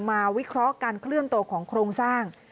วิเคราะห์การเคลื่อนตัวของโครงสร้าง